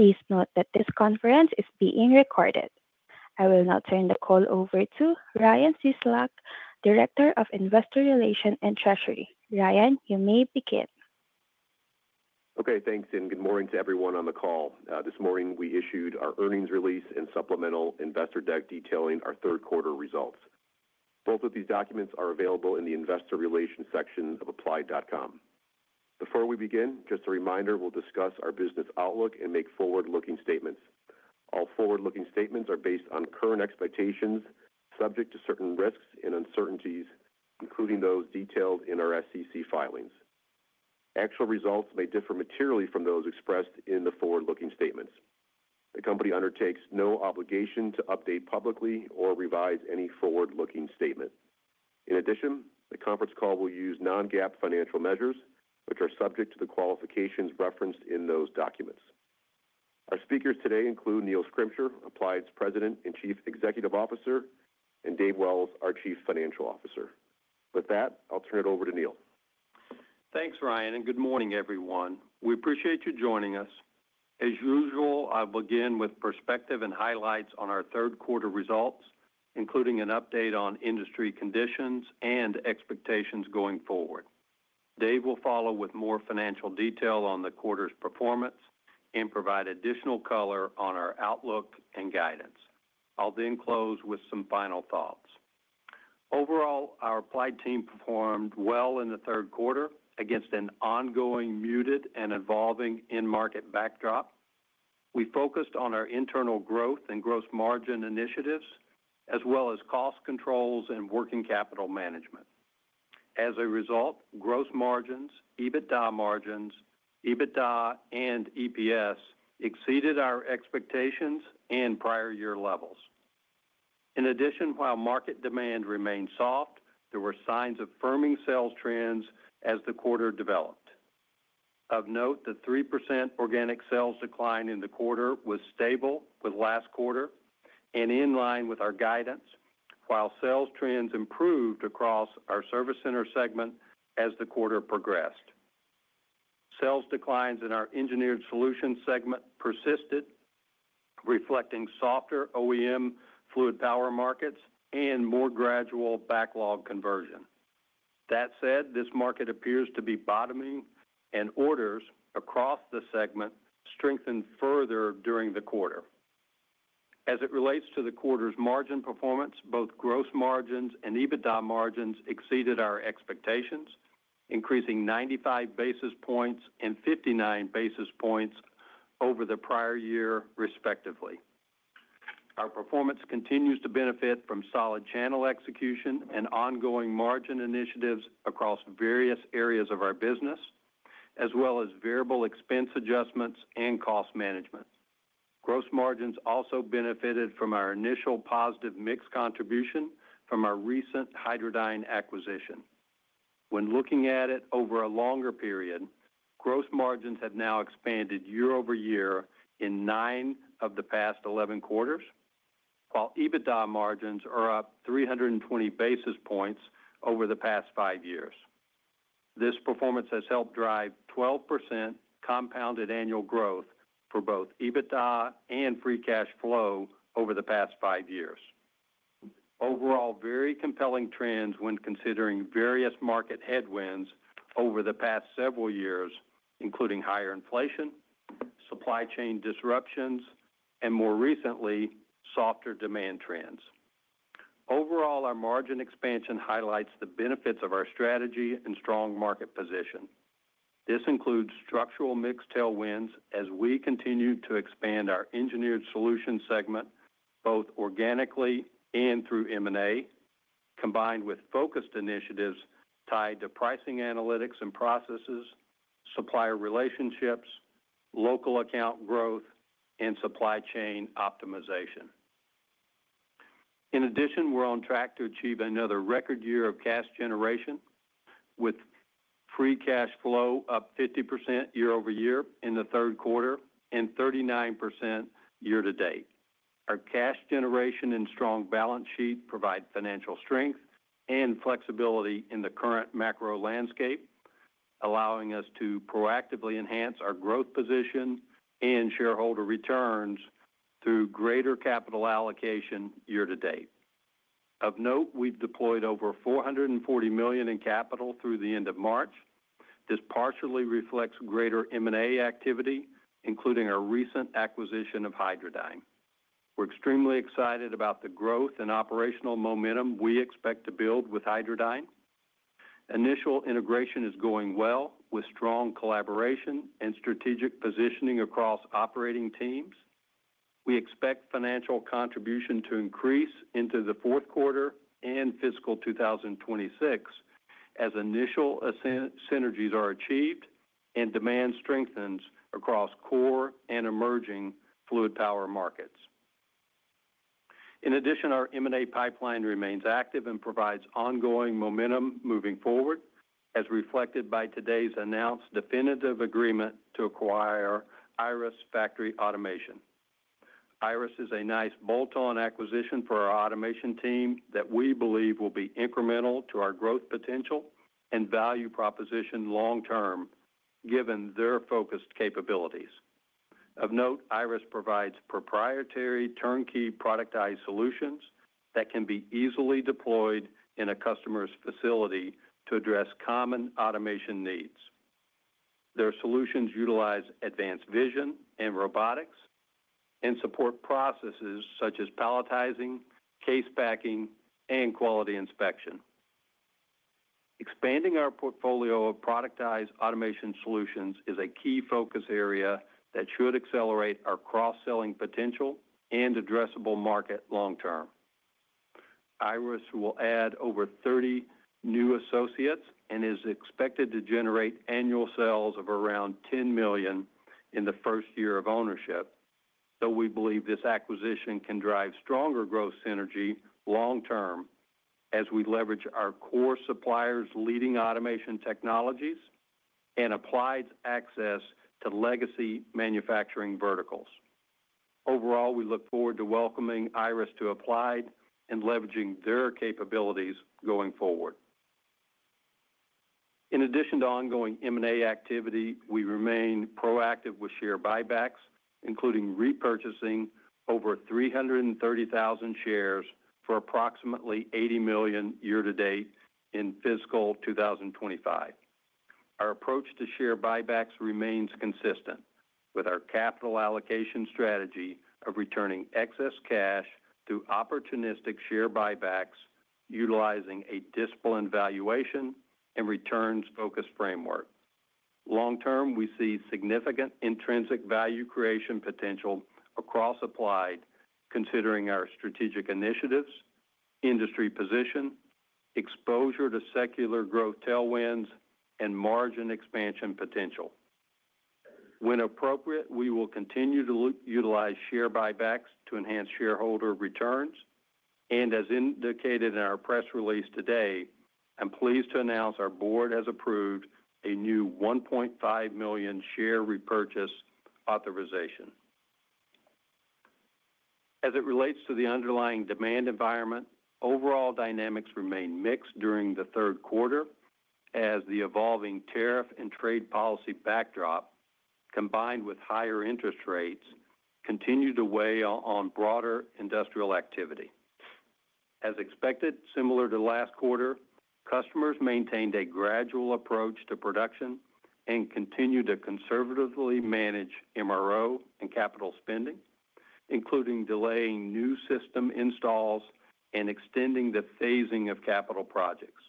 Please note that this conference is being recorded. I will now turn the call over to Ryan Cieslak, Director of Investor Relations and Treasury. Ryan, you may begin. Okay, thanks, and good morning to everyone on the call. This morning, we issued our earnings release and supplemental investor deck detailing our third-quarter results. Both of these documents are available in the Investor Relations section of applied.com. Before we begin, just a reminder, we'll discuss our business outlook and make forward-looking statements. All forward-looking statements are based on current expectations, subject to certain risks and uncertainties, including those detailed in our SEC filings. Actual results may differ materially from those expressed in the forward-looking statements. The company undertakes no obligation to update publicly or revise any forward-looking statement. In addition, the conference call will use non-GAAP financial measures, which are subject to the qualifications referenced in those documents. Our speakers today include Neil Schrimsher, Applied's President and Chief Executive Officer, and David Wells, our Chief Financial Officer. With that, I'll turn it over to Neil. Thanks, Ryan, and good morning, everyone. We appreciate you joining us. As usual, I'll begin with perspective and highlights on our third-quarter results, including an update on industry conditions and expectations going forward. Dave will follow with more financial detail on the quarter's performance and provide additional color on our outlook and guidance. I'll then close with some final thoughts. Overall, our Applied team performed well in the third quarter against an ongoing muted and evolving in-market backdrop. We focused on our internal growth and gross margin initiatives, as well as cost controls and working capital management. As a result, gross margins, EBITDA margins, EBITDA, and EPS exceeded our expectations and prior-year levels. In addition, while market demand remained soft, there were signs of firming sales trends as the quarter developed. Of note, the 3% organic sales decline in the quarter was stable with last quarter and in line with our guidance, while sales trends improved across our Service Center segment as the quarter progressed. Sales declines in our Engineered Solutions segment persisted, reflecting softer OEM fluid power markets and more gradual backlog conversion. That said, this market appears to be bottoming, and orders across the segment strengthened further during the quarter. As it relates to the quarter's margin performance, both gross margins and EBITDA margins exceeded our expectations, increasing 95 bps and 59 bps over the prior year, respectively. Our performance continues to benefit from solid channel execution and ongoing margin initiatives across various areas of our business, as well as variable expense adjustments and cost management. Gross margins also benefited from our initial positive mix contribution from our recent Hydradyne Acquisition. When looking at it over a longer period, gross margins have now expanded year over year in nine of the past 11 quarters, while EBITDA margins are up 320 bps over the past five years. This performance has helped drive 12% compounded annual growth for both EBITDA and free cash flow over the past five years. Overall, very compelling trends when considering various market headwinds over the past several years, including higher inflation, supply chain disruptions, and more recently, softer demand trends. Overall, our margin expansion highlights the benefits of our strategy and strong market position. This includes structural mixed tailwinds as we continue to expand our Engineered Solutions segment, both organically and through M&A, combined with focused initiatives tied to pricing analytics and processes, supplier relationships, local account growth, and supply chain optimization. In addition, we're on track to achieve another record year of cash generation, with free cash flow up 50% year over year in the third quarter and 39% year to date. Our cash generation and strong balance sheet provide financial strength and flexibility in the current macro landscape, allowing us to proactively enhance our growth position and shareholder returns through greater capital allocation year to date. Of note, we've deployed over $440 million in capital through the end of March. This partially reflects greater M&A activity, including our recent acquisition of Hydradyne. We're extremely excited about the growth and operational momentum we expect to build with Hydradyne. Initial integration is going well with strong collaboration and strategic positioning across operating teams. We expect financial contribution to increase into the fourth quarter and fiscal 2026 as initial synergies are achieved and demand strengthens across core and emerging fluid power markets. In addition, our M&A pipeline remains active and provides ongoing momentum moving forward, as reflected by today's announced definitive agreement to acquire IRIS Factory Automation. IRIS is a nice bolt-on acquisition for our automation team that we believe will be incremental to our growth potential and value proposition long-term, given their focused capabilities. Of note, IRIS provides proprietary turnkey productized solutions that can be easily deployed in a customer's facility to address common automation needs. Their solutions utilize advanced vision and robotics and support processes such as palletizing, case packing, and quality inspection. Expanding our portfolio of productized automation solutions is a key focus area that should accelerate our cross-selling potential and addressable market long-term. IRIS will add over 30 new associates and is expected to generate annual sales of around $10 million in the first year of ownership. We believe this acquisition can drive stronger growth synergy long-term as we leverage our core suppliers' leading automation technologies and Applied's access to legacy manufacturing verticals. Overall, we look forward to welcoming IRIS to Applied and leveraging their capabilities going forward. In addition to ongoing M&A activity, we remain proactive with share buybacks, including repurchasing over 330,000 shares for approximately $80 million year to date in fiscal 2025. Our approach to share buybacks remains consistent, with our capital allocation strategy of returning excess cash through opportunistic share buybacks, utilizing a disciplined valuation and returns-focused framework. Long-term, we see significant intrinsic value creation potential across Applied, considering our strategic initiatives, industry position, exposure to secular growth tailwinds, and margin expansion potential. When appropriate, we will continue to utilize share buybacks to enhance shareholder returns, and as indicated in our press release today, I'm pleased to announce our board has approved a new $1.5 million share repurchase authorization. As it relates to the underlying demand environment, overall dynamics remain mixed during the third quarter as the evolving tariff and trade policy backdrop, combined with higher interest rates, continue to weigh on broader industrial activity. As expected, similar to last quarter, customers maintained a gradual approach to production and continue to conservatively manage MRO and capital spending, including delaying new system installs and extending the phasing of capital projects.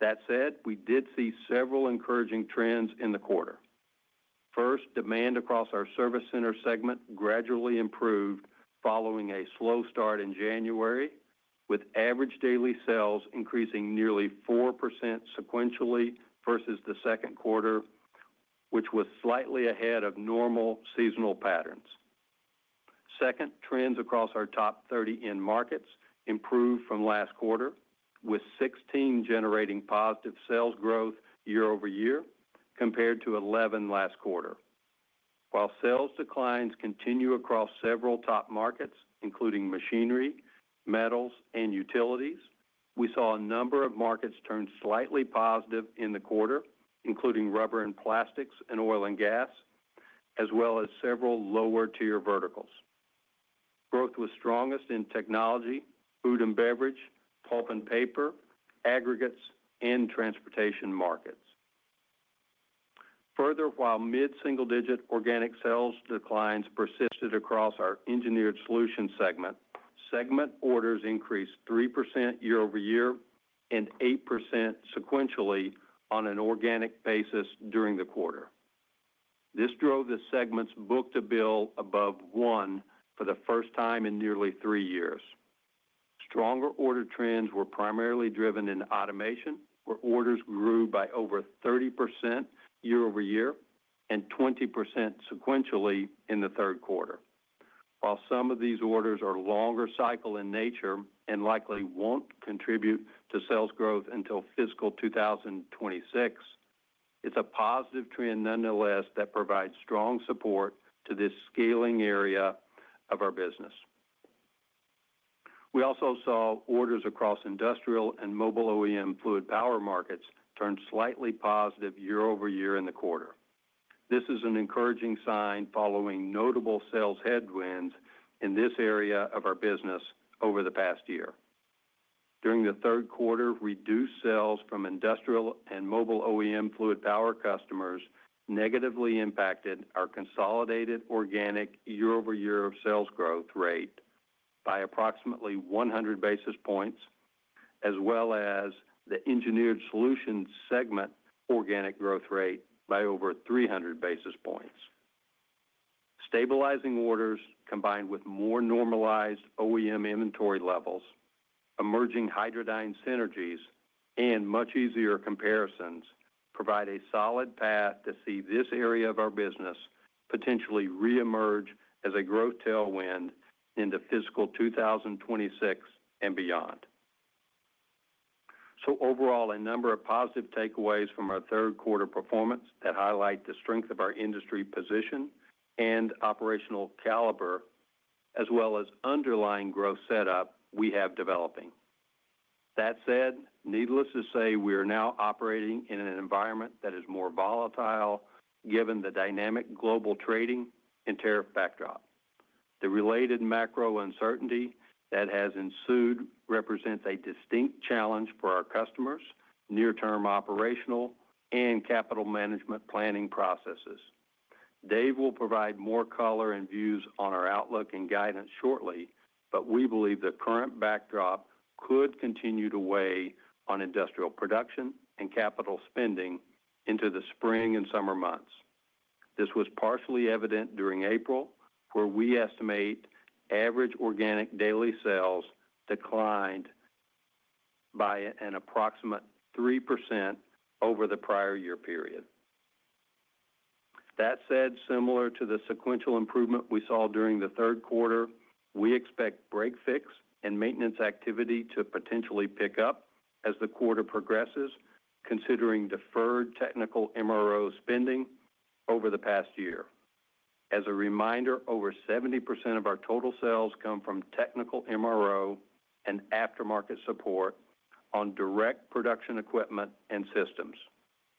That said, we did see several encouraging trends in the quarter. First, demand across our Service Center segment gradually improved following a slow start in January, with average daily sales increasing nearly 4% sequentially versus the second quarter, which was slightly ahead of normal seasonal patterns. Second, trends across our top 30 end markets improved from last quarter, with 16 generating positive sales growth year over year compared to 11 last quarter. While sales declines continue across several top markets, including machinery, metals, and utilities, we saw a number of markets turn slightly positive in the quarter, including rubber and plastics and oil and gas, as well as several lower-tier verticals. Growth was strongest in technology, food and beverage, pulp and paper, aggregates, and transportation markets. Further, while mid-single-digit organic sales declines persisted across our Engineered Solutions segment, segment orders increased 3% year over year and 8% sequentially on an organic basis during the quarter. This drove the segment's book-to-bill above one for the first time in nearly three years. Stronger order trends were primarily driven in automation, where orders grew by over 30% year over year and 20% sequentially in the third quarter. While some of these orders are longer cycle in nature and likely won't contribute to sales growth until fiscal 2026, it's a positive trend nonetheless that provides strong support to this scaling area of our business. We also saw orders across industrial and mobile OEM fluid power markets turn slightly positive year over year in the quarter. This is an encouraging sign following notable sales headwinds in this area of our business over the past year. During the third quarter, reduced sales from industrial and mobile OEM fluid power customers negatively impacted our consolidated organic year-over-year sales growth rate by approximately 100 bps, as well as the Engineered Solutions segment organic growth rate by over 300 bps. Stabilizing orders, combined with more normalized OEM inventory levels, emerging Hydradyne synergies, and much easier comparisons, provide a solid path to see this area of our business potentially reemerge as a growth tailwind into fiscal 2026 and beyond. Overall, a number of positive takeaways from our third quarter performance that highlight the strength of our industry position and operational caliber, as well as underlying growth setup we have developing. That said, needless to say, we are now operating in an environment that is more volatile given the dynamic global trading and tariff backdrop. The related macro uncertainty that has ensued represents a distinct challenge for our customers, near-term operational, and capital management planning processes. Dave will provide more color and views on our outlook and guidance shortly, but we believe the current backdrop could continue to weigh on industrial production and capital spending into the spring and summer months. This was partially evident during April, where we estimate average organic daily sales declined by an approximate 3% over the prior year period. That said, similar to the sequential improvement we saw during the third quarter, we expect break fix and maintenance activity to potentially pick up as the quarter progresses, considering deferred technical MRO spending over the past year. As a reminder, over 70% of our total sales come from technical MRO and aftermarket support on direct production equipment and systems,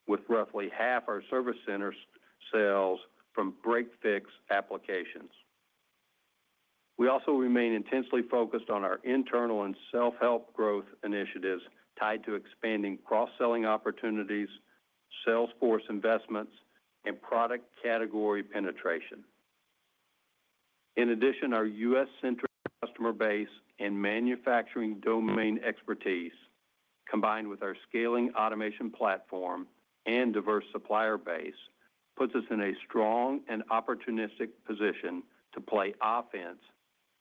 with roughly half our Service Center sales from break fix applications. We also remain intensely focused on our internal and self-help growth initiatives tied to expanding cross-selling opportunities, sales force investments, and product category penetration. In addition, our U.S.-centered customer base and manufacturing domain expertise, combined with our scaling automation platform and diverse supplier base, puts us in a strong and opportunistic position to play offense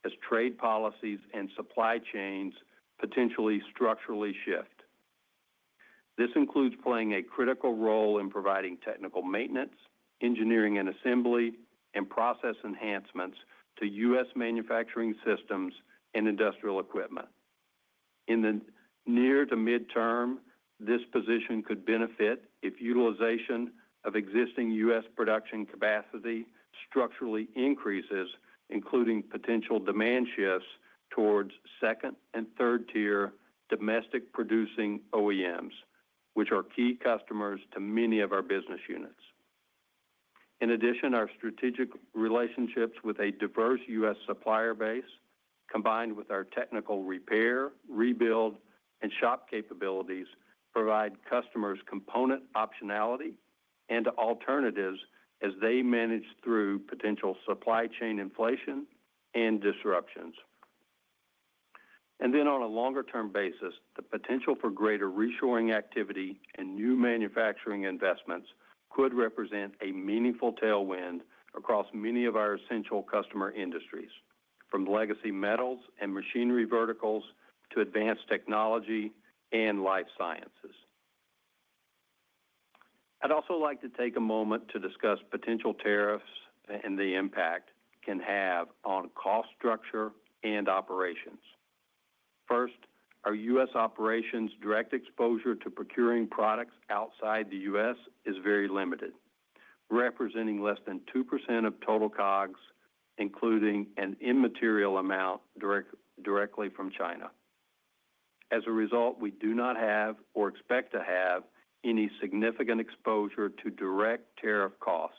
as trade policies and supply chains potentially structurally shift. This includes playing a critical role in providing technical maintenance, engineering and assembly, and process enhancements to U.S. manufacturing systems and industrial equipment. In the near to midterm, this position could benefit if utilization of existing U.S. production capacity structurally increases, including potential demand shifts towards second and third-tier domestic-producing OEMs, which are key customers to many of our business units. In addition, our strategic relationships with a diverse U.S. supplier base, combined with our technical repair, rebuild, and shop capabilities, provide customers component optionality and alternatives as they manage through potential supply chain inflation and disruptions. On a longer-term basis, the potential for greater reshoring activity and new manufacturing investments could represent a meaningful tailwind across many of our essential customer industries, from legacy metals and machinery verticals to advanced technology and life sciences. I'd also like to take a moment to discuss potential tariffs and the impact they can have on cost structure and operations. First, our U.S. operations' direct exposure to procuring products outside the U.S. is very limited, representing less than 2% of total COGS, including an immaterial amount directly from China. As a result, we do not have or expect to have any significant exposure to direct tariff cost.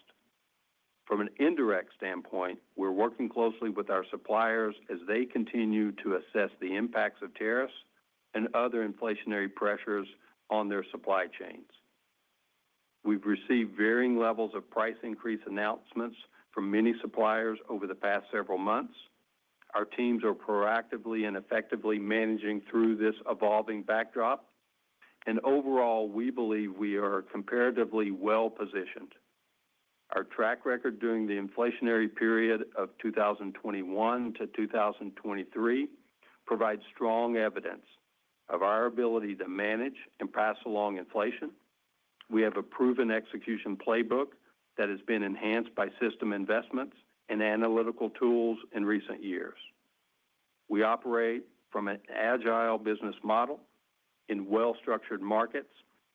From an indirect standpoint, we're working closely with our suppliers as they continue to assess the impacts of tariffs and other inflationary pressures on their supply chains. We've received varying levels of price increase announcements from many suppliers over the past several months. Our teams are proactively and effectively managing through this evolving backdrop, and overall, we believe we are comparatively well-positioned. Our track record during the inflationary period of 2021 to 2023 provides strong evidence of our ability to manage and pass along inflation. We have a proven execution playbook that has been enhanced by system investments and analytical tools in recent years. We operate from an agile business model in well-structured markets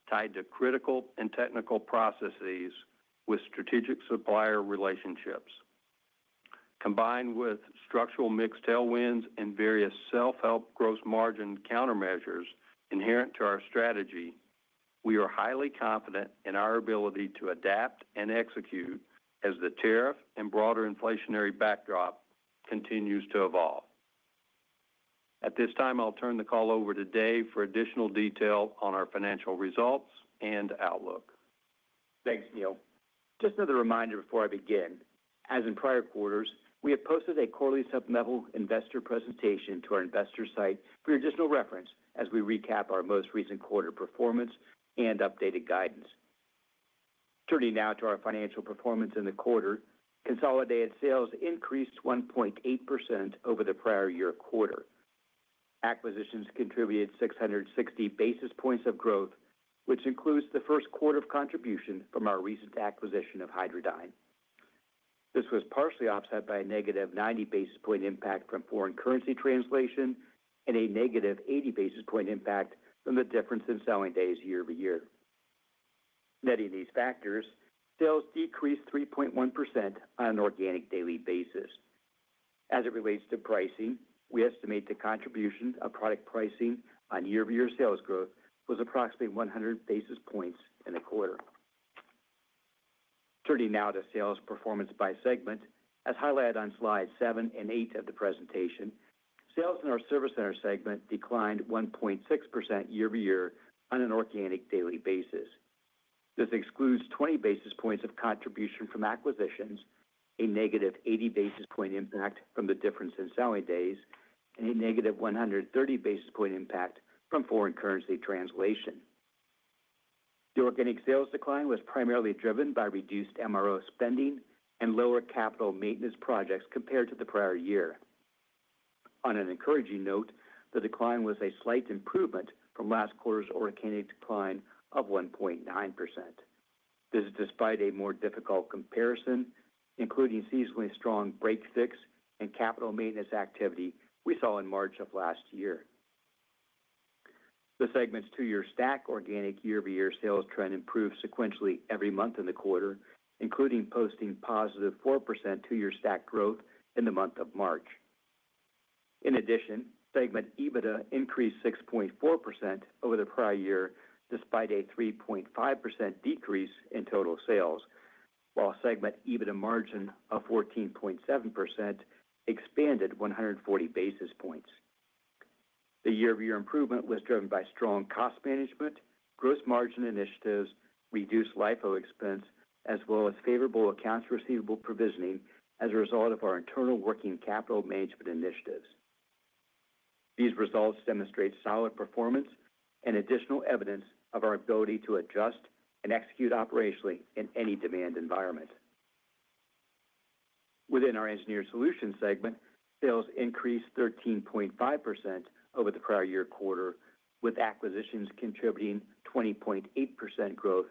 tied to critical and technical processes with strategic supplier relationships. Combined with structural mixed tailwinds and various self-help gross margin countermeasures inherent to our strategy, we are highly confident in our ability to adapt and execute as the tariff and broader inflationary backdrop continues to evolve. At this time, I'll turn the call over to Dave for additional detail on our financial results and outlook. Thanks, Neil. Just another reminder before I begin. As in prior quarters, we have posted a quarterly supplemental investor presentation to our investor site for your additional reference as we recap our most recent quarter performance and updated guidance. Turning now to our financial performance in the quarter, consolidated sales increased 1.8% over the prior year quarter. Acquisitions contributed 660 bps of growth, which includes the first quarter of contribution from our recent acquisition of Hydradyne. This was partially offset by a negative 90 bp impact from foreign currency translation and a negative 80 bp impact from the difference in selling days year-over-year. Netting these factors, sales decreased 3.1% on an organic daily basis. As it relates to pricing, we estimate the contribution of product pricing on year-over-year sales growth was approximately 100 bps in the quarter. Turning now to sales performance by segment, as highlighted on slides seven and eight of the presentation, sales in our Service Center segment declined 1.6% year-over-year on an organic daily basis. This excludes 20 bps of contribution from acquisitions, a negative 80 bp impact from the difference in selling days, and a negative 130 bp impact from foreign currency translation. The organic sales decline was primarily driven by reduced MRO spending and lower capital maintenance projects compared to the prior year. On an encouraging note, the decline was a slight improvement from last quarter's organic decline of 1.9%. This is despite a more difficult comparison, including seasonally strong break fix and capital maintenance activity we saw in March of last year. The segment's two-year stack organic year-over-year sales trend improved sequentially every month in the quarter, including posting positive 4% two-year stack growth in the month of March. In addition, segment EBITDA increased 6.4% over the prior year despite a 3.5% decrease in total sales, while segment EBITDA margin of 14.7% expanded 140 bps. The year-over-year improvement was driven by strong cost management, gross margin initiatives, reduced LIFO expense, as well as favorable accounts receivable provisioning as a result of our internal working capital management initiatives. These results demonstrate solid performance and additional evidence of our ability to adjust and execute operationally in any demand environment. Within our Engineered Solutions segment, sales increased 13.5% over the prior year quarter, with acquisitions contributing 20.8% growth,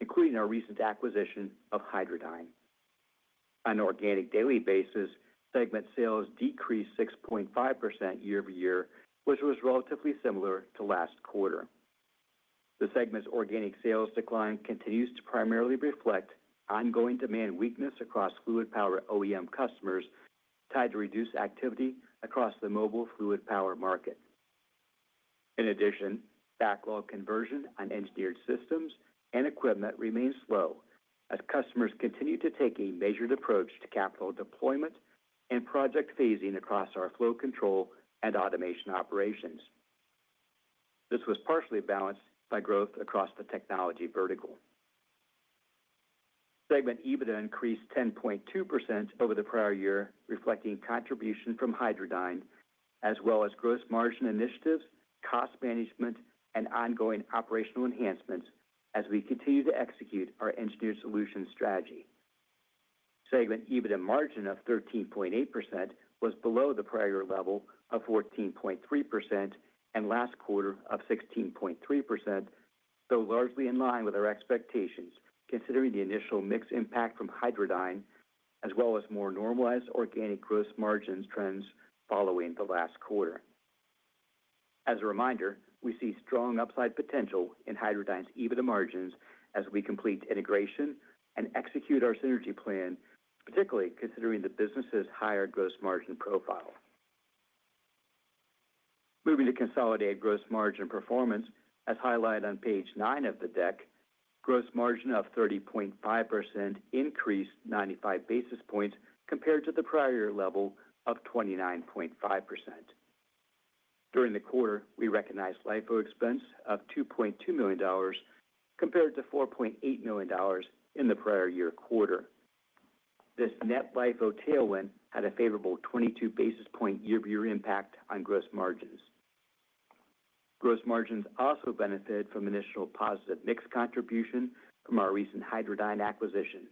including our recent acquisition of Hydradyne. On an organic daily basis, segment sales decreased 6.5% year-over-year, which was relatively similar to last quarter. The segment's organic sales decline continues to primarily reflect ongoing demand weakness across fluid power OEM customers tied to reduced activity across the mobile fluid power market. In addition, backlog conversion on engineered systems and equipment remains slow as customers continue to take a measured approach to capital deployment and project phasing across our flow control and automation operations. This was partially balanced by growth across the technology vertical. Segment EBITDA increased 10.2% over the prior year, reflecting contribution from Hydradyne, as well as gross margin initiatives, cost management, and ongoing operational enhancements as we continue to execute our Engineered Solutions strategy. Segment EBITDA margin of 13.8% was below the prior year level of 14.3% and last quarter of 16.3%, though largely in line with our expectations considering the initial mixed impact from Hydradyne, as well as more normalized organic gross margin trends following the last quarter. As a reminder, we see strong upside potential in Hydradyne's EBITDA margins as we complete integration and execute our synergy plan, particularly considering the business's higher gross margin profile. Moving to consolidated gross margin performance, as highlighted on page nine of the deck, gross margin of 30.5% increased 95 bps compared to the prior year level of 29.5%. During the quarter, we recognized LIFO expense of $2.2 million compared to $4.8 million in the prior year quarter. This net LIFO tailwind had a favorable 22 bp year-over-year impact on gross margins. Gross margins also benefited from initial positive mixed contribution from our recent Hydradyne Acquisition.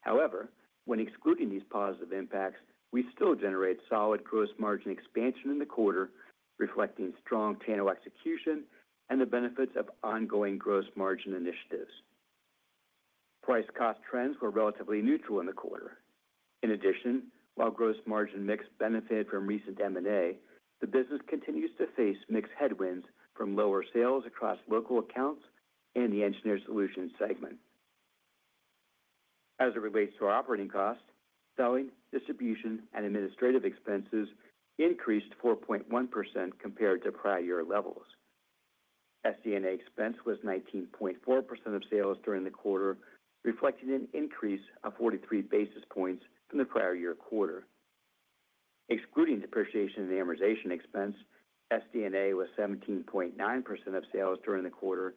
However, when excluding these positive impacts, we still generate solid gross margin expansion in the quarter, reflecting strong tailwind execution and the benefits of ongoing gross margin initiatives. Price cost trends were relatively neutral in the quarter. In addition, while gross margin mix benefited from recent M&A, the business continues to face mixed headwinds from lower sales across local accounts and the Engineered Solutions segment. As it relates to our operating costs, selling, distribution, and administrative expenses increased 4.1% compared to prior year levels. SD&A expense was 19.4% of sales during the quarter, reflecting an increase of 43 bps from the prior year quarter. Excluding depreciation and amortization expense, SD&A was 17.9% of sales during the quarter,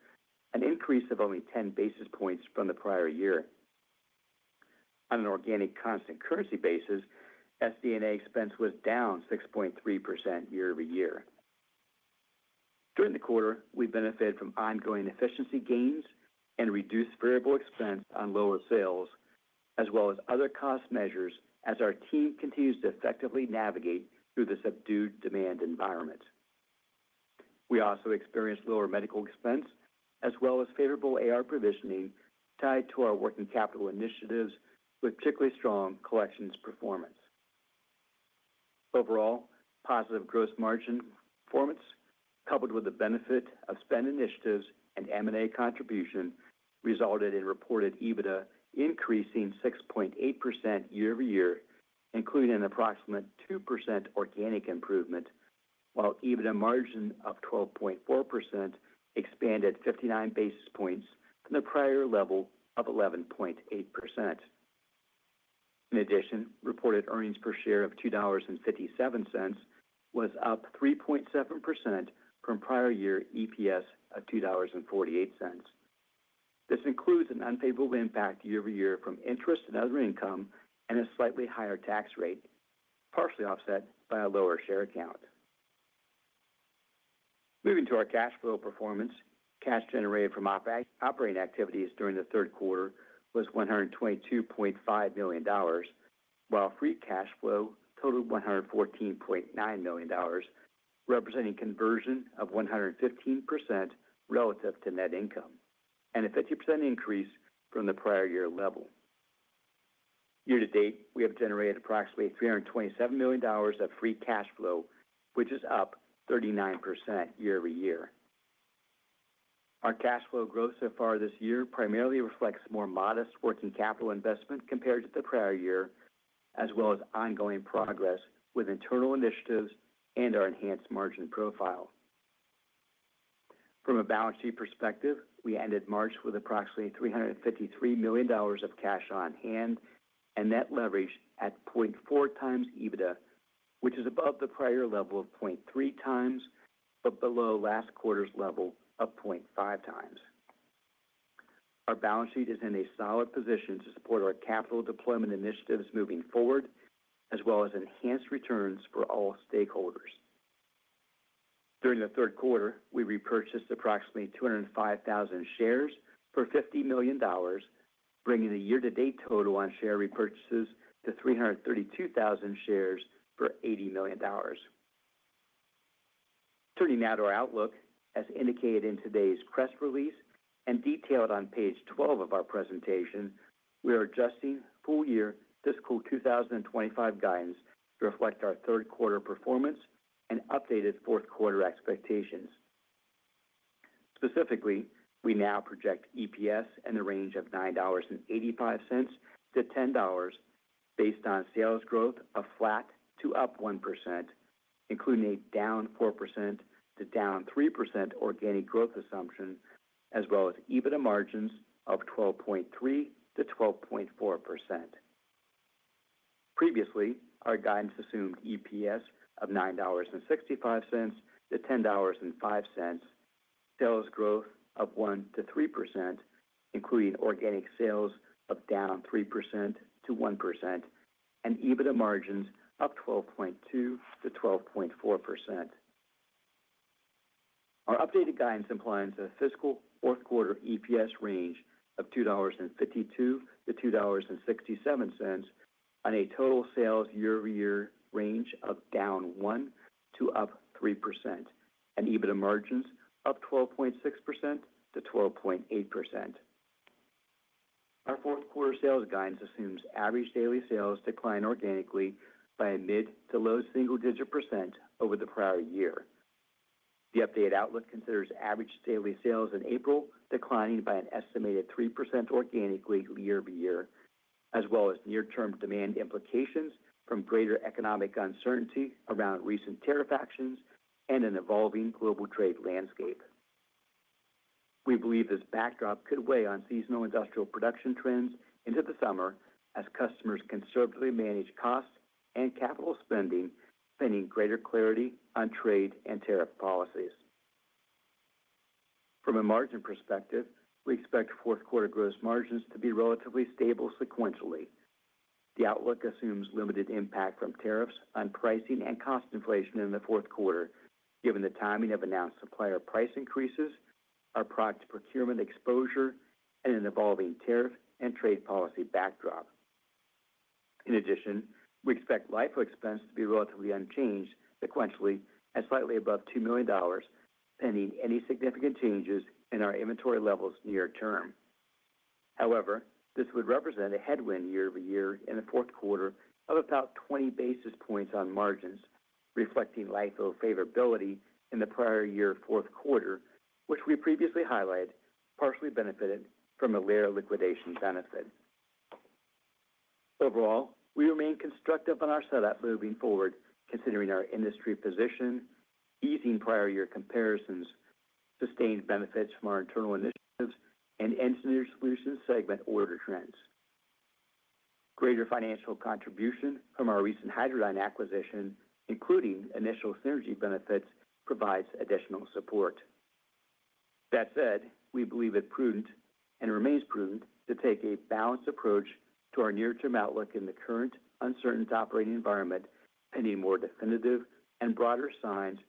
an increase of only 10 bps from the prior year. On an organic constant currency basis, SD&A expense was down 6.3% year-over-year. During the quarter, we benefited from ongoing efficiency gains and reduced variable expense on lower sales, as well as other cost measures as our team continues to effectively navigate through the subdued demand environment. We also experienced lower medical expense, as well as favorable AR provisioning tied to our working capital initiatives, with particularly strong collections performance. Overall, positive gross margin performance, coupled with the benefit of spend initiatives and M&A contribution, resulted in reported EBITDA increasing 6.8% year-over-year, including an approximate 2% organic improvement, while EBITDA margin of 12.4% expanded 59 bps from the prior level of 11.8%. In addition, reported earnings per share of $2.57 was up 3.7% from prior year EPS of $2.48. This includes an unfavorable impact year-over-year from interest and other income and a slightly higher tax rate, partially offset by a lower share count. Moving to our cash flow performance, cash generated from operating activities during the third quarter was $122.5 million, while free cash flow totaled $114.9 million, representing conversion of 115% relative to net income and a 50% increase from the prior year level. Year-to-date, we have generated approximately $327 million of free cash flow, which is up 39% year-over-year. Our cash flow growth so far this year primarily reflects more modest working capital investment compared to the prior year, as well as ongoing progress with internal initiatives and our enhanced margin profile. From a balance sheet perspective, we ended March with approximately $353 million of cash on hand and net leverage at 0.4 times EBITDA, which is above the prior level of 0.3 times but below last quarter's level of 0.5 times. Our balance sheet is in a solid position to support our capital deployment initiatives moving forward, as well as enhanced returns for all stakeholders. During the third quarter, we repurchased approximately 205,000 shares for $50 million, bringing the year-to-date total on share repurchases to 332,000 shares for $80 million. Turning now to our outlook, as indicated in today's press release and detailed on page 12 of our presentation, we are adjusting full-year fiscal 2025 guidance to reflect our third quarter performance and updated fourth quarter expectations. Specifically, we now project EPS in the range of $9.85-$10 based on sales growth of flat to up 1%, including a down 4% to down 3% organic growth assumption, as well as EBITDA margins of 12.3% to 12.4%. Previously, our guidance assumed EPS of $9.65 to $10.05, sales growth of 1% to 3%, including organic sales of down 3% to 1%, and EBITDA margins of 12.2% to 12.4%. Our updated guidance implies a fiscal fourth quarter EPS range of $2.52 to $2.67 on a total sales year-over-year range of down 1%-3%, and EBITDA margins of 12.6% to 12.8%. Our fourth quarter sales guidance assumes average daily sales decline organically by a mid to low single-digit percent over the prior year. The updated outlook considers average daily sales in April declining by an estimated 3% organically year-over-year, as well as near-term demand implications from greater economic uncertainty around recent tariff actions and an evolving global trade landscape. We believe this backdrop could weigh on seasonal industrial production trends into the summer as customers conservatively manage costs and capital spending, finding greater clarity on trade and tariff policies. From a margin perspective, we expect fourth quarter gross margins to be relatively stable sequentially. The outlook assumes limited impact from tariffs on pricing and cost inflation in the fourth quarter, given the timing of announced supplier price increases, our product procurement exposure, and an evolving tariff and trade policy backdrop. In addition, we expect LIFO expense to be relatively unchanged sequentially and slightly above $2 million, pending any significant changes in our inventory levels near term. However, this would represent a headwind year-over-year in the fourth quarter of about 20 bps on margins, reflecting LIFO favorability in the prior year fourth quarter, which we previously highlighted partially benefited from a layer of liquidation benefit. Overall, we remain constructive on our setup moving forward, considering our industry position, easing prior year comparisons, sustained benefits from our internal initiatives, and Engineered Solutions segment order trends. Greater financial contribution from our recent Hydradyne Acquisition, including initial synergy benefits, provides additional support. That said, we believe it's prudent and remains prudent to take a balanced approach to our near-term outlook in the current uncertain operating environment, pending more definitive and broader signs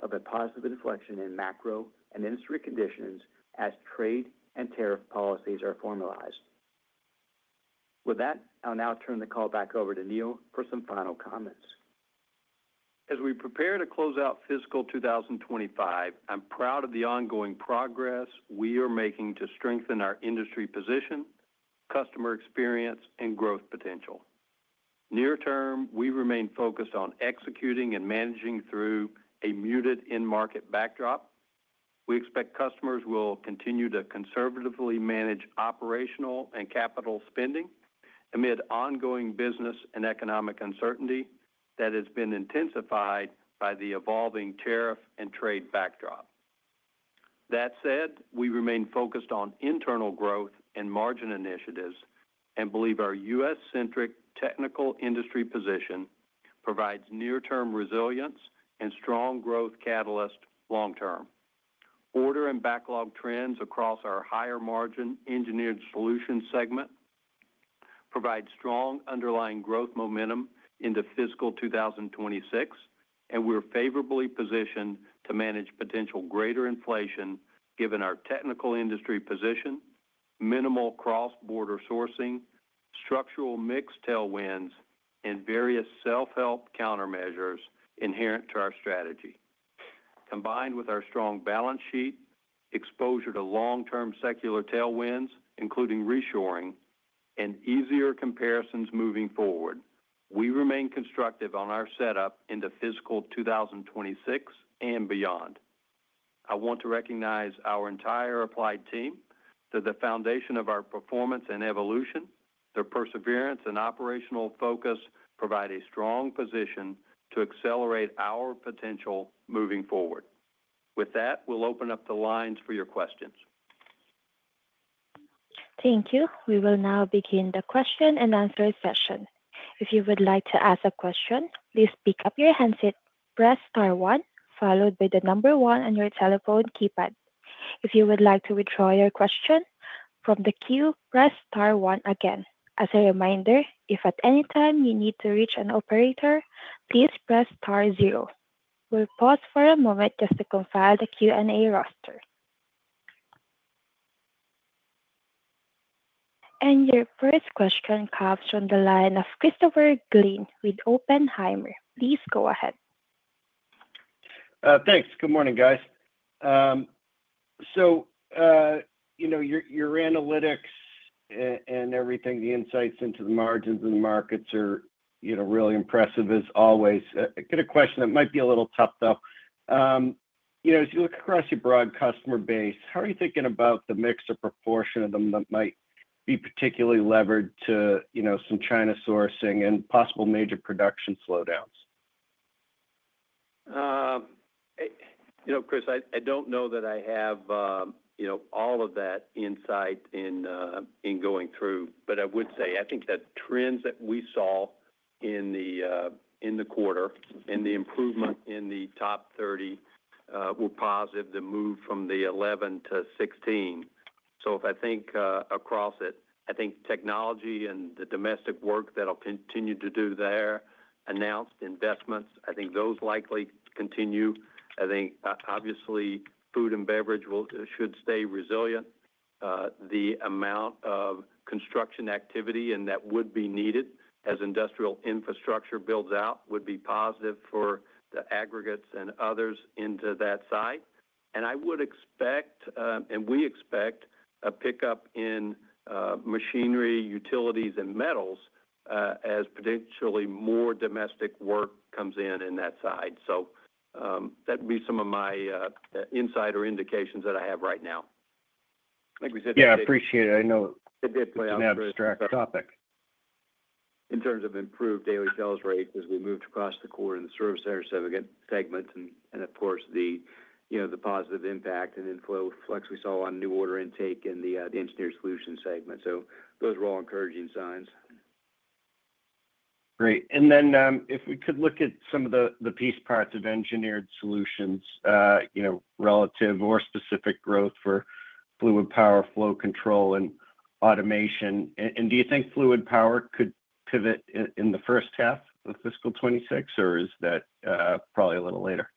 of a positive inflection in macro and industry conditions as trade and tariff policies are formalized. With that, I'll now turn the call back over to Neil for some final comments. As we prepare to close out fiscal 2025, I'm proud of the ongoing progress we are making to strengthen our industry position, customer experience, and growth potential. Near term, we remain focused on executing and managing through a muted in-market backdrop. We expect customers will continue to conservatively manage operational and capital spending amid ongoing business and economic uncertainty that has been intensified by the evolving tariff and trade backdrop. That said, we remain focused on internal growth and margin initiatives and believe our U.S.-centric technical industry position provides near-term resilience and strong growth catalyst long term. Order and backlog trends across our higher margin Engineered Solutions segment provide strong underlying growth momentum into fiscal 2026, and we're favorably positioned to manage potential greater inflation given our technical industry position, minimal cross-border sourcing, structural mixed tailwinds, and various self-help countermeasures inherent to our strategy. Combined with our strong balance sheet, exposure to long-term secular tailwinds, including reshoring, and easier comparisons moving forward, we remain constructive on our setup into fiscal 2026 and beyond. I want to recognize our entire Applied team that the foundation of our performance and evolution, their perseverance and operational focus, provide a strong position to accelerate our potential moving forward. With that, we'll open up the lines for your questions. Thank you. We will now begin the question and answer session. If you would like to ask a question, please pick up your handset, press star one, followed by the number one on your telephone keypad. If you would like to withdraw your question from the queue, press star one again. As a reminder, if at any time you need to reach an operator, please press star zero. We'll pause for a moment just to confide the Q&A roster. Your first question comes from the line of Christopher Glynn with Oppenheimer. Please go ahead. Thanks. Good morning, guys. Your analytics and everything, the insights into the margins and the markets are really impressive as always. I've got a question that might be a little tough, though. As you look across your broad customer base, how are you thinking about the mix or proportion of them that might be particularly levered to some China sourcing and possible major production slowdowns? Chris, I don't know that I have all of that insight in going through, but I would say I think that trends that we saw in the quarter and the improvement in the top 30 were positive to move from the 11 to 16. If I think across it, I think technology and the domestic work that will continue to do there, announced investments, I think those likely continue. I think, obviously, food and beverage should stay resilient. The amount of construction activity and that would be needed as industrial infrastructure builds out would be positive for the aggregates and others into that side. I would expect, and we expect, a pickup in machinery, utilities, and metals as potentially more domestic work comes in in that side. That would be some of my insight or indications that I have right now. I think we said that. Yeah, I appreciate it. I know it did play out. It's an abstract topic. In terms of improved daily sales rate as we moved across the quarter in the Service Center segment and, of course, the positive impact and inflow flex we saw on new order intake in the Engineered Solutions segment. Those are all encouraging signs. Great. If we could look at some of the piece parts of Engineered Solutions, relative or specific growth for fluid power, flow control, and automation. Do you think fluid power could pivot in the first half of fiscal 2026, or is that probably a little later?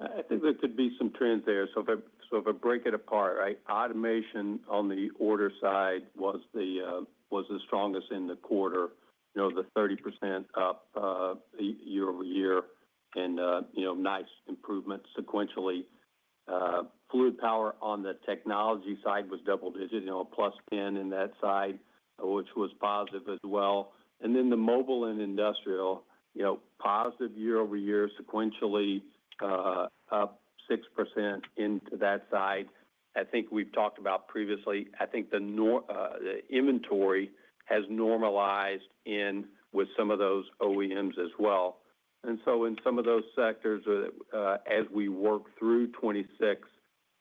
I think there could be some trends there. If I break it apart, automation on the order side was the strongest in the quarter, the 30% up year-over-year, and nice improvement sequentially. Fluid power on the technology side was double-digit, a +10 in that side, which was positive as well. The mobile and industrial, positive year-over-year, sequentially up 6% into that side. I think we've talked about previously. I think the inventory has normalized in with some of those OEMs as well. In some of those sectors, as we work through 2026,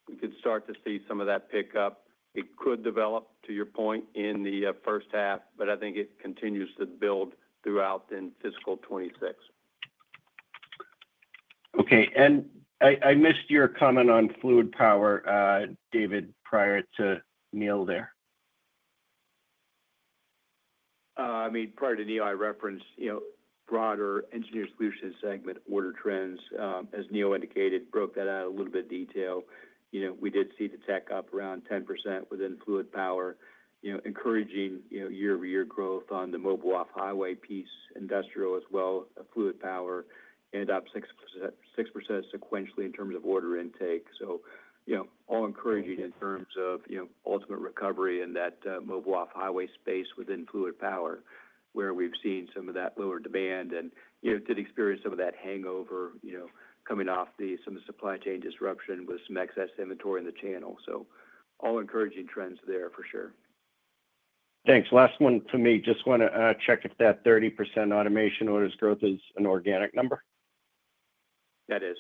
we could start to see some of that pickup. It could develop, to your point, in the first half, but I think it continues to build throughout in fiscal 2026. Okay. I missed your comment on fluid power, David, prior to Neil there. I mean, prior to Neil, I referenced broader Engineered Solutions segment order trends. As Neil indicated, broke that out a little bit of detail. We did see the tech up around 10% within fluid power, encouraging year-over-year growth on the mobile off-highway piece, industrial as well, fluid power, and up 6% sequentially in terms of order intake. All encouraging in terms of ultimate recovery in that mobile off-highway space within fluid power, where we've seen some of that lower demand and did experience some of that hangover coming off some of the supply chain disruption with some excess inventory in the channel. All encouraging trends there for sure. Thanks. Last one for me. Just want to check if that 30% automation orders growth is an organic number. That is.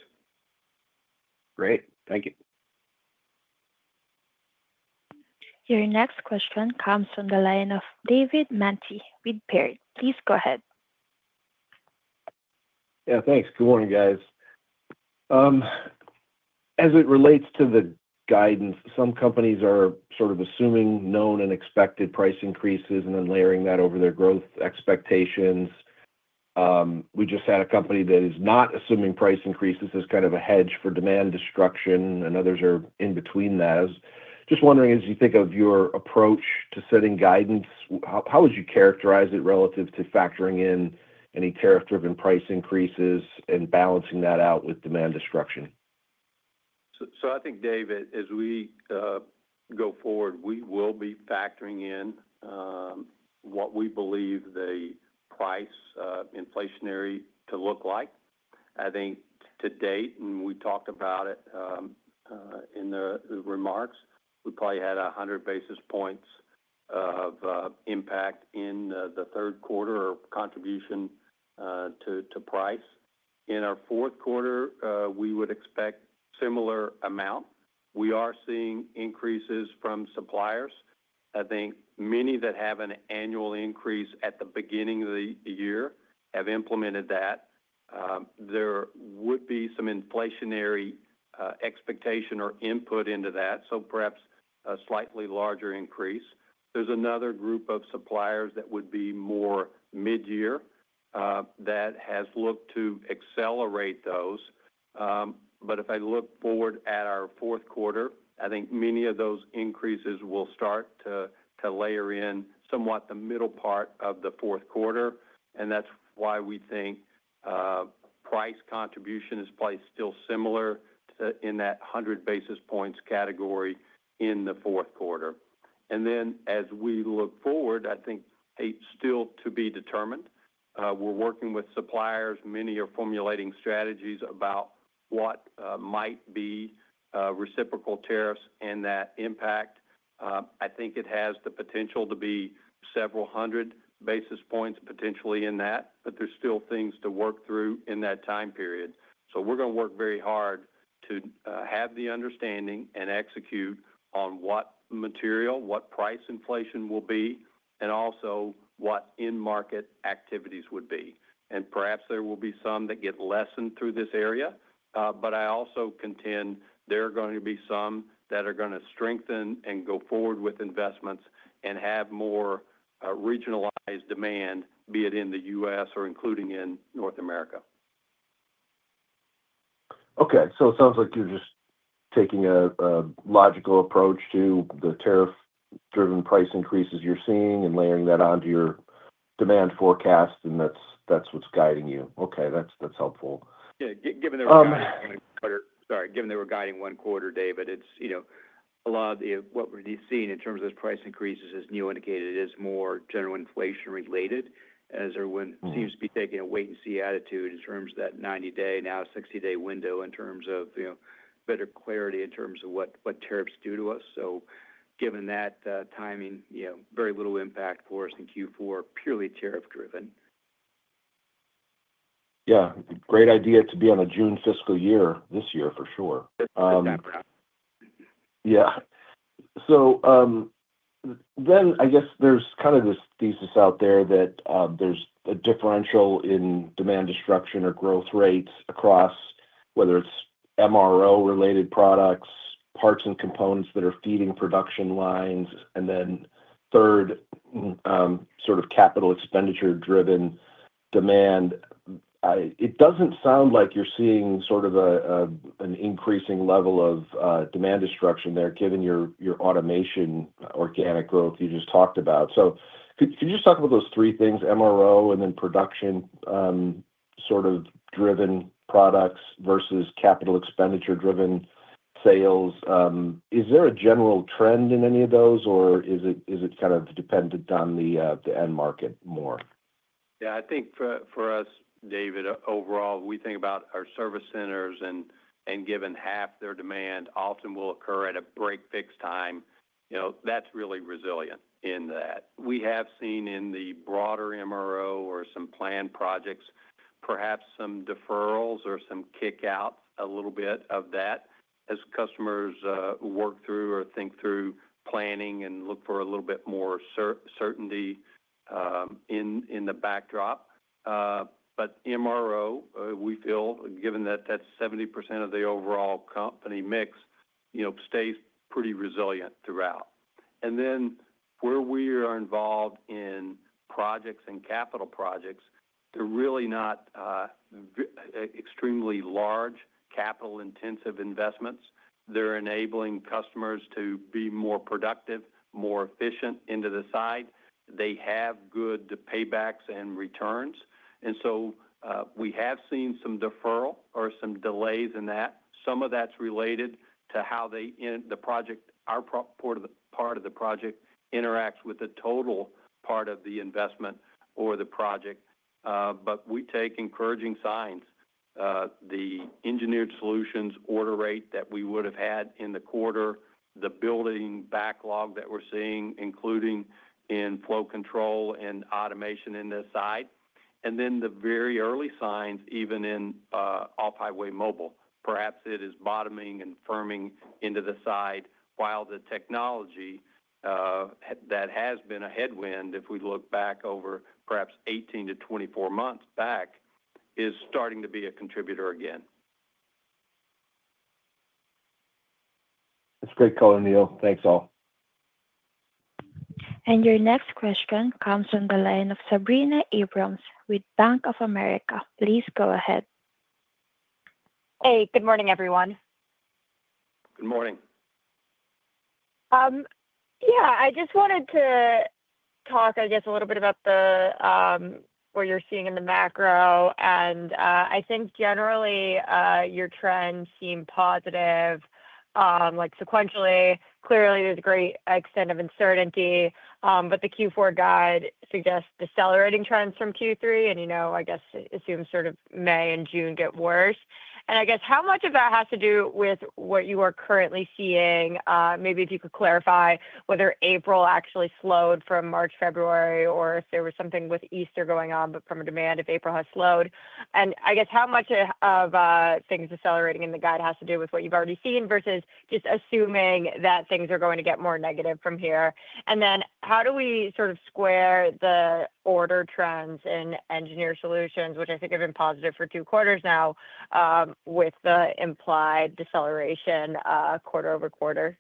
Great. Thank you. Your next question comes from the line of David Manti with Perry. Please go ahead. Yeah, thanks. Good morning, guys. As it relates to the guidance, some companies are sort of assuming known and expected price increases and then layering that over their growth expectations. We just had a company that is not assuming price increases as kind of a hedge for demand destruction, and others are in between that. Just wondering, as you think of your approach to setting guidance, how would you characterize it relative to factoring in any tariff-driven price increases and balancing that out with demand destruction? I think, David, as we go forward, we will be factoring in what we believe the price inflationary to look like. I think to date, and we talked about it in the remarks, we probably had 100 bps of impact in the third quarter or contribution to price. In our fourth quarter, we would expect similar amount. We are seeing increases from suppliers. I think many that have an annual increase at the beginning of the year have implemented that. There would be some inflationary expectation or input into that, so perhaps a slightly larger increase. There is another group of suppliers that would be more mid-year that has looked to accelerate those. If I look forward at our fourth quarter, I think many of those increases will start to layer in somewhat the middle part of the fourth quarter. That is why we think price contribution is placed still similar in that 100 bps category in the fourth quarter. As we look forward, I think it is still to be determined. We are working with suppliers. Many are formulating strategies about what might be reciprocal tariffs and that impact. I think it has the potential to be several 100 bps potentially in that, but there are still things to work through in that time period. We are going to work very hard to have the understanding and execute on what material, what price inflation will be, and also what in-market activities would be. Perhaps there will be some that get lessened through this area, but I also contend there are going to be some that are going to strengthen and go forward with investments and have more regionalized demand, be it in the U.S. or including in North America. Okay. It sounds like you're just taking a logical approach to the tariff-driven price increases you're seeing and layering that onto your demand forecast, and that's what's guiding you. Okay. That's helpful. Yeah. Given they were guiding one quarter, David, it's a lot of what we're seeing in terms of those price increases, as Neil indicated, is more general inflation-related as everyone seems to be taking a wait-and-see attitude in terms of that 90-day, now 60-day window in terms of better clarity in terms of what tariffs do to us. Given that timing, very little impact for us in Q4, purely tariff-driven. Yeah. Great idea to be on a June fiscal year this year, for sure. Yeah. I guess there's kind of this thesis out there that there's a differential in demand destruction or growth rates across whether it's MRO-related products, parts and components that are feeding production lines, and then third, sort of capital expenditure-driven demand. It doesn't sound like you're seeing sort of an increasing level of demand destruction there, given your automation organic growth you just talked about. Could you just talk about those three things, MRO and then production sort of driven products versus capital expenditure-driven sales? Is there a general trend in any of those, or is it kind of dependent on the end market more? Yeah. I think for us, David, overall, we think about our Service Centers, and given half their demand often will occur at a break-fix time, that's really resilient in that. We have seen in the broader MRO or some planned projects, perhaps some deferrals or some kickouts, a little bit of that as customers work through or think through planning and look for a little bit more certainty in the backdrop. MRO, we feel, given that that's 70% of the overall company mix, stays pretty resilient throughout. Where we are involved in projects and capital projects, they're really not extremely large capital-intensive investments. They're enabling customers to be more productive, more efficient into the side. They have good paybacks and returns. We have seen some deferral or some delays in that. Some of that's related to how the project, our part of the project, interacts with the total part of the investment or the project. We take encouraging signs. The Engineered Solutions order rate that we would have had in the quarter, the building backlog that we're seeing, including in flow control and automation in this side, and then the very early signs even in off-highway mobile. Perhaps it is bottoming and firming into the side while the technology that has been a headwind, if we look back over perhaps 18 to 24 months back, is starting to be a contributor again. That's great calling, Neil. Thanks, all. Your next question comes from the line of Sabrina Abrams with Bank of America. Please go ahead. Hey. Good morning, everyone. Good morning. Yeah. I just wanted to talk, I guess, a little bit about what you're seeing in the macro. I think generally your trends seem positive. Sequentially, clearly, there is a great extent of uncertainty, but the Q4 guide suggests decelerating trends from Q3, and I guess assumes sort of May and June get worse. I guess how much of that has to do with what you are currently seeing? Maybe if you could clarify whether April actually slowed from March, February, or if there was something with Easter going on, but from a demand if April has slowed. I guess how much of things decelerating in the guide has to do with what you have already seen versus just assuming that things are going to get more negative from here? How do we sort of square the order trends in Engineered Solutions, which I think have been positive for two quarters now, with the implied deceleration quarter over quarter?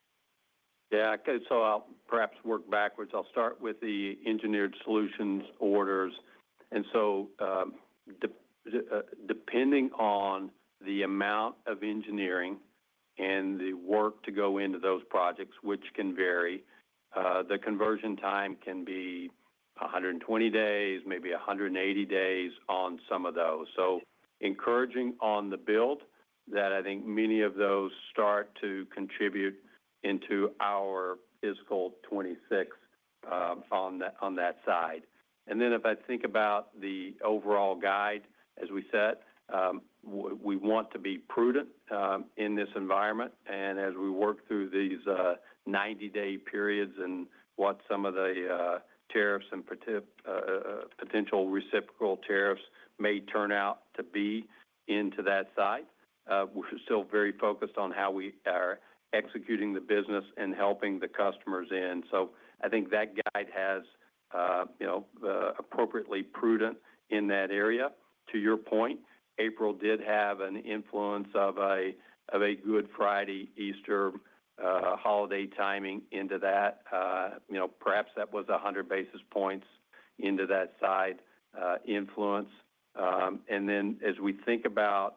Yeah. I will perhaps work backwards. I'll start with the Engineered Solutions orders. Depending on the amount of engineering and the work to go into those projects, which can vary, the conversion time can be 120 days, maybe 180 days on some of those. Encouraging on the build that I think many of those start to contribute into our fiscal 2026 on that side. If I think about the overall guide, as we said, we want to be prudent in this environment. As we work through these 90-day periods and what some of the tariffs and potential reciprocal tariffs may turn out to be into that side, we're still very focused on how we are executing the business and helping the customers in. I think that guide has appropriately prudent in that area. To your point, April did have an influence of a Good Friday, Easter holiday timing into that. Perhaps that was 100 bps into that side influence. As we think about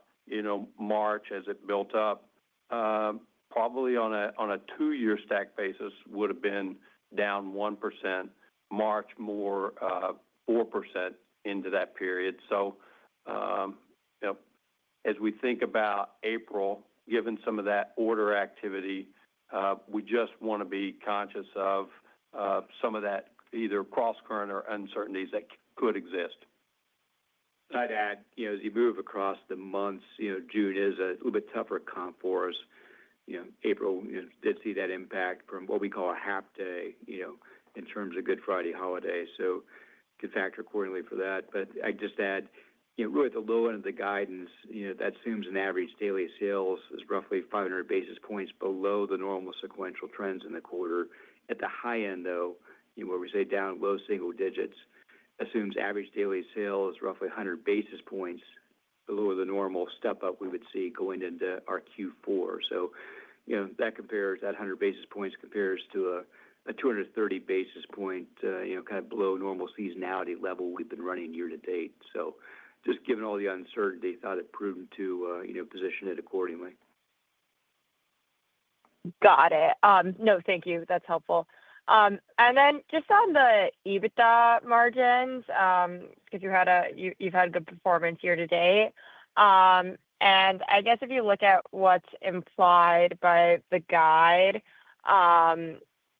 March as it built up, probably on a two-year stack basis would have been down 1%, March more 4% into that period. As we think about April, given some of that order activity, we just want to be conscious of some of that either cross-current or uncertainties that could exist. I'd add, as you move across the months, June is a little bit tougher comp for us. April did see that impact from what we call a half day in terms of Good Friday holiday. You can factor accordingly for that. I'd just add, really at the low end of the guidance, that assumes an average daily sales is roughly 500 bps below the normal sequential trends in the quarter. At the high end, though, where we say down low single digits, assumes average daily sales roughly 100 bps below the normal step-up we would see going into our Q4. That 100 bps compares to a 230 bps kind of below normal seasonality level we've been running year to date. Just given all the uncertainty, thought it prudent to position it accordingly. Got it. No, thank you. That's helpful. And then just on the EBITDA margins, because you've had good performance year to date. I guess if you look at what's implied by the guide,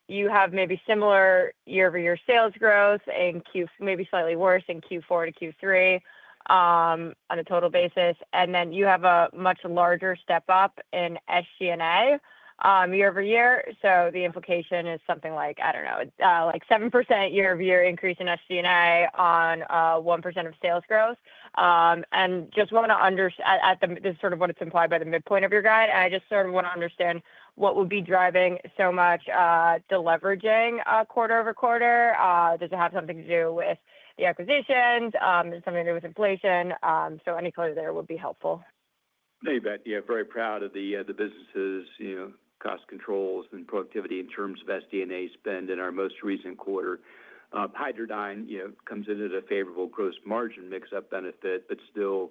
you have maybe similar year-over-year sales growth and maybe slightly worse in Q4 to Q3 on a total basis. Then you have a much larger step-up in SG&A year-over-year. The implication is something like, I don't know, like 7% year-over-year increase in SG&A on 1% of sales growth. I just want to understand, this is sort of what is implied by the midpoint of your guide. I just sort of want to understand what would be driving so much deleveraging quarter over quarter. Does it have something to do with the acquisitions? Is it something to do with inflation? Any clue there would be helpful. No, you bet. Yeah. Very proud of the business's cost controls and productivity in terms of SG&A spend in our most recent quarter. Hydradyne comes in at a favorable gross margin mix-up benefit, but still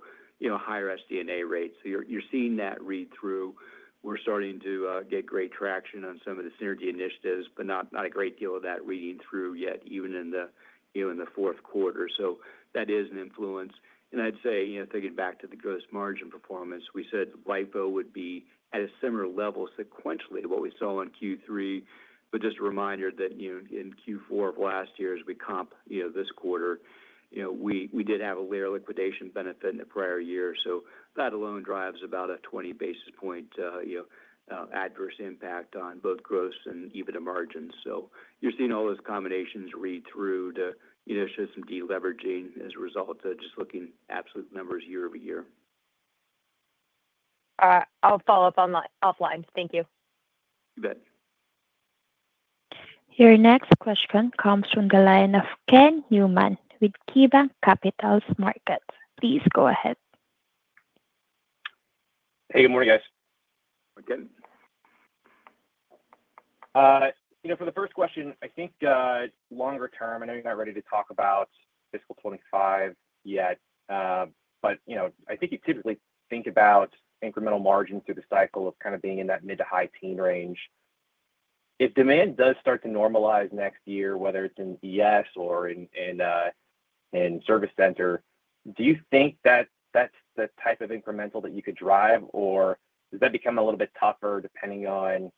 higher SG&A rates. You're seeing that read through. We're starting to get great traction on some of the synergy initiatives, but not a great deal of that reading through yet, even in the fourth quarter. That is an influence. I'd say, thinking back to the gross margin performance, we said LIFO would be at a similar level sequentially to what we saw in Q3. Just a reminder that in Q4 of last year, as we comp this quarter, we did have a layer liquidation benefit in the prior year. That alone drives about a 20 bp adverse impact on both gross and EBITDA margins. You're seeing all those combinations read through to show some deleveraging as a result of just looking at absolute numbers year over year. I'll follow up offline. Thank you. You bet. Your next question comes from the line of Ken Neumann with CIBC Capital Markets. Please go ahead. Hey. Good morning, guys. Again. For the first question, I think longer term, I know you're not ready to talk about fiscal 2025 yet, but I think you typically think about incremental margin through the cycle of kind of being in that mid to high teen range. If demand does start to normalize next year, whether it's in ES or in Service Center, do you think that that's the type of incremental that you could drive, or does that become a little bit tougher depending on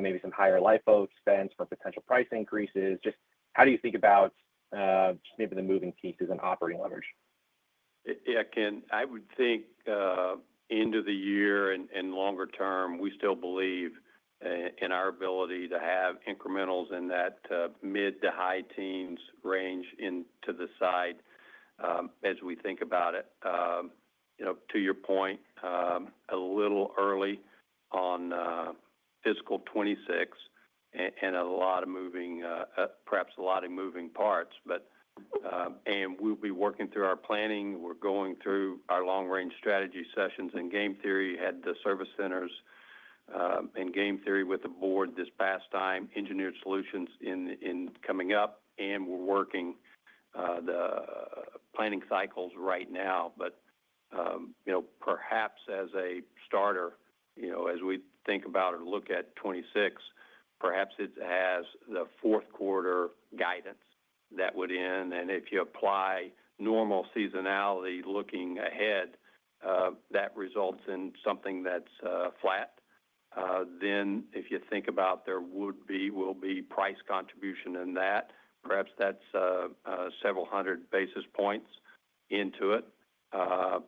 maybe some higher LIFO expense for potential price increases? Just how do you think about just maybe the moving pieces and operating leverage? Yeah, Ken, I would think end of the year and longer term, we still believe in our ability to have incrementals in that mid to high teens range into the side as we think about it. To your point, a little early on fiscal 2026 and a lot of moving, perhaps a lot of moving parts. We will be working through our planning. We are going through our long-range strategy sessions and game theory, had the Service Centers and game theory with the board this past time, Engineered Solutions in coming up, and we are working the planning cycles right now. Perhaps as a starter, as we think about or look at 2026, perhaps it has the fourth quarter guidance that would end. If you apply normal seasonality looking ahead, that results in something that is flat. If you think about there would be, will be price contribution in that, perhaps that's several 100 bps into it.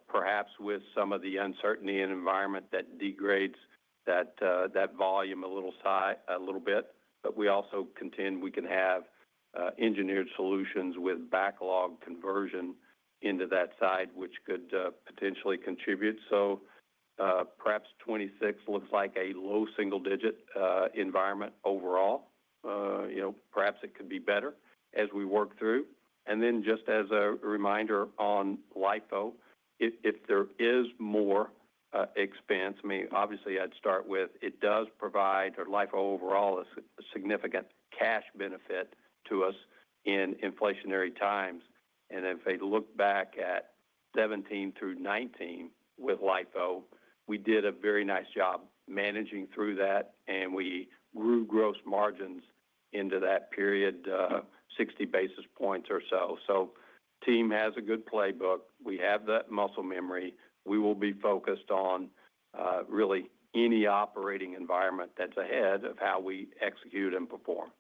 Perhaps with some of the uncertainty in environment that degrades that volume a little bit. We also contend we can have Engineered Solutions with backlog conversion into that side, which could potentially contribute. Perhaps 2026 looks like a low single-digit environment overall. Perhaps it could be better as we work through. Just as a reminder on LIFO, if there is more expense, I mean, obviously I'd start with it does provide LIFO overall a significant cash benefit to us in inflationary times. If I look back at 2017 through 2019 with LIFO, we did a very nice job managing through that, and we grew gross margins into that period, 60 bps or so. Team has a good playbook. We have that muscle memory. We will be focused on really any operating environment that's ahead of how we execute and perform.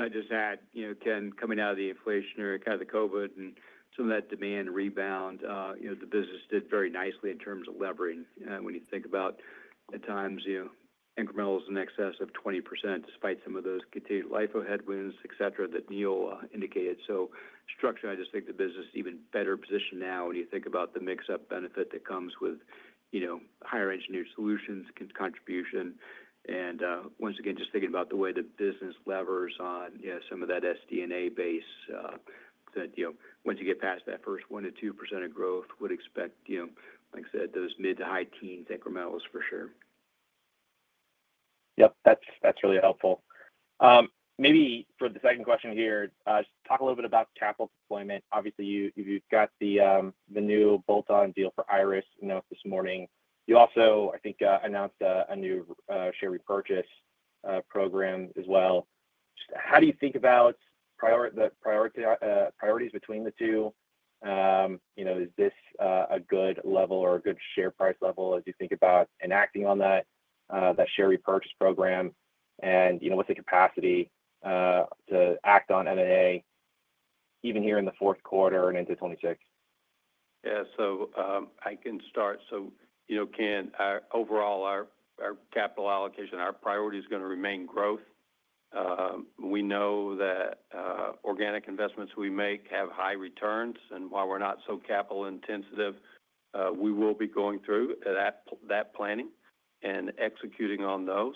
I'd just add, Ken, coming out of the inflationary kind of the COVID and some of that demand rebound, the business did very nicely in terms of levering. When you think about at times incrementals in excess of 20% despite some of those continued LIFO headwinds, etc., that Neil indicated. Structurally, I just think the business is even better positioned now when you think about the mix-up benefit that comes with higher Engineered Solutions contribution. Once again, just thinking about the way the business levers on some of that SG&A base that once you get past that first 1% to 2% of growth, would expect, like I said, those mid to high teens incrementals for sure. Yep. That's really helpful. Maybe for the second question here, just talk a little bit about capital deployment. Obviously, you've got the new bolt-on deal for IRIS this morning. You also, I think, announced a new share repurchase program as well. How do you think about the priorities between the two? Is this a good level or a good share price level as you think about enacting on that share repurchase program and with the capacity to act on M&A even here in the fourth quarter and into 2026? Yeah. I can start. Ken, overall, our capital allocation, our priority is going to remain growth. We know that organic investments we make have high returns. While we're not so capital-intensive, we will be going through that planning and executing on those.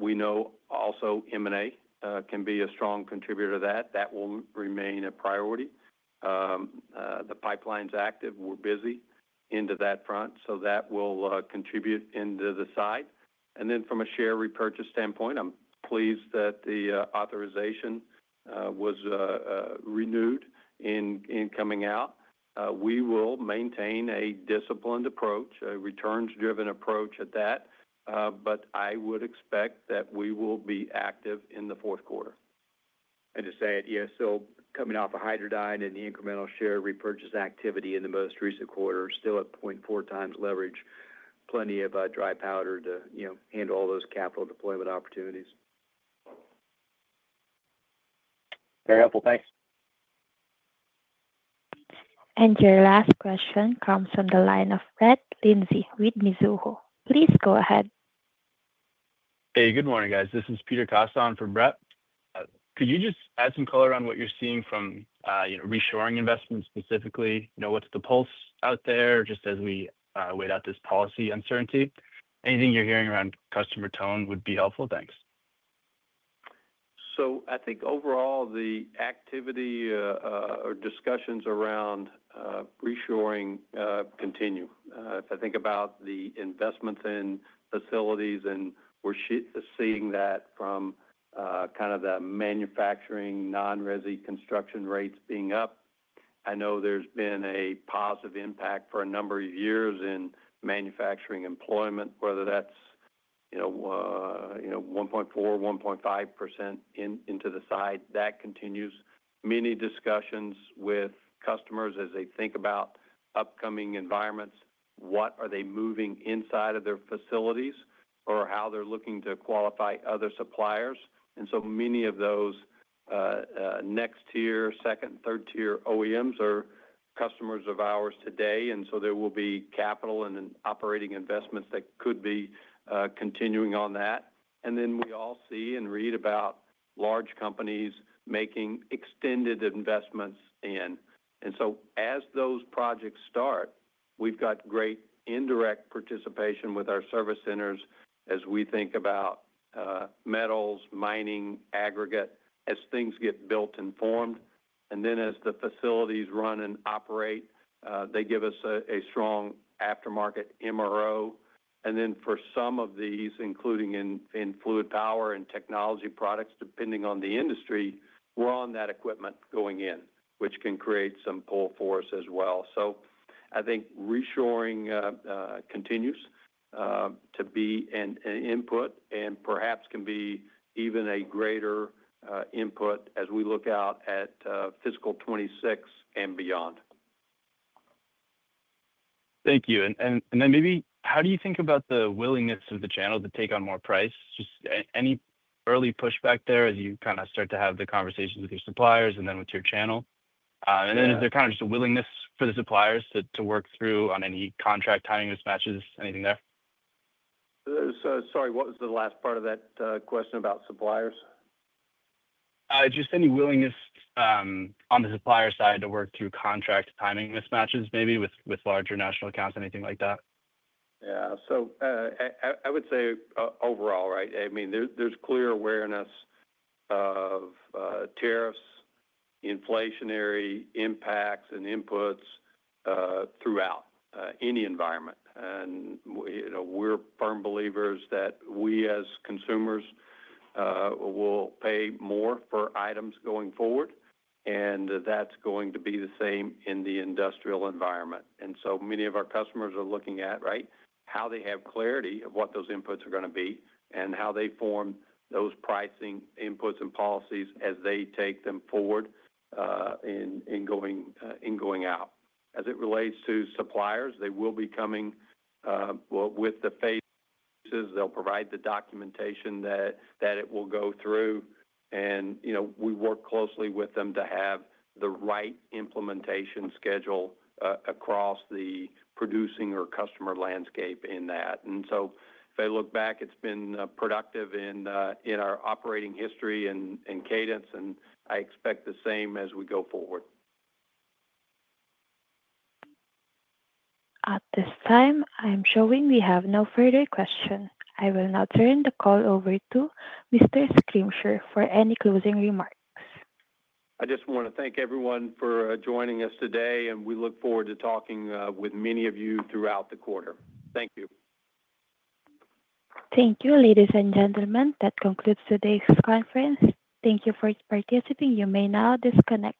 We know also M&A can be a strong contributor to that. That will remain a priority. The pipeline's active. We're busy into that front. That will contribute into the side. From a share repurchase standpoint, I'm pleased that the authorization was renewed in coming out. We will maintain a disciplined approach, a returns-driven approach at that. I would expect that we will be active in the fourth quarter. I just say it. Yeah. Coming off of Hydradyne and the incremental share repurchase activity in the most recent quarter, still at 0.4 times leverage, plenty of dry powder to handle all those capital deployment opportunities. Very helpful. Thanks. Your last question comes from the line of Brett Lindsey with Mizuho. Please go ahead. Hey. Good morning, guys. This is Peter Kasson from Brett. Could you just add some color on what you're seeing from reshoring investments specifically? What's the pulse out there just as we weigh out this policy uncertainty? Anything you're hearing around customer tone would be helpful. Thanks. I think overall, the activity or discussions around reshoring continue. If I think about the investments in facilities and we're seeing that from kind of the manufacturing non-RESI construction rates being up, I know there's been a positive impact for a number of years in manufacturing employment, whether that's 1.4%, 1.5% into the side. That continues. Many discussions with customers as they think about upcoming environments, what are they moving inside of their facilities or how they're looking to qualify other suppliers. Many of those next tier, second, third tier OEMs are customers of ours today. There will be capital and operating investments that could be continuing on that. We all see and read about large companies making extended investments in. As those projects start, we have great indirect participation with our Service Centers as we think about metals, mining, aggregate, as things get built and formed. As the facilities run and operate, they give us a strong aftermarket MRO. For some of these, including in fluid power and technology products, depending on the industry, we are on that equipment going in, which can create some pull force as well. I think reshoring continues to be an input and perhaps can be even a greater input as we look out at fiscal 2026 and beyond. Thank you. Maybe how do you think about the willingness of the channel to take on more price? Just any early pushback there as you kind of start to have the conversations with your suppliers and then with your channel? Is there kind of just a willingness for the suppliers to work through on any contract timing mismatches? Anything there? Sorry, what was the last part of that question about suppliers? Just any willingness on the supplier side to work through contract timing mismatches maybe with larger national accounts, anything like that? Yeah. I would say overall, right? I mean, there's clear awareness of tariffs, inflationary impacts, and inputs throughout any environment. We're firm believers that we as consumers will pay more for items going forward. That's going to be the same in the industrial environment. Many of our customers are looking at, right, how they have clarity of what those inputs are going to be and how they form those pricing inputs and policies as they take them forward in going out. As it relates to suppliers, they will be coming with the phases. They'll provide the documentation that it will go through. We work closely with them to have the right implementation schedule across the producing or customer landscape in that. If I look back, it's been productive in our operating history and cadence, and I expect the same as we go forward. At this time, I'm showing we have no further questions. I will now turn the call over to Mr. Schrimsher for any closing remarks. I just want to thank everyone for joining us today, and we look forward to talking with many of you throughout the quarter. Thank you. Thank you, ladies and gentlemen. That concludes today's conference. Thank you for participating. You may now disconnect.